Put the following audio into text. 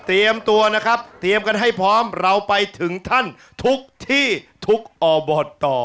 ตัวนะครับเตรียมกันให้พร้อมเราไปถึงท่านทุกที่ทุกอบต